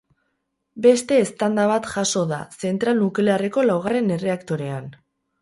Beste eztanda bat jaso da zentral nuklearreko laugarren erreaktorean.